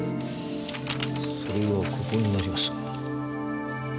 それはここになります。